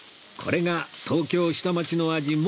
これが東京下町の味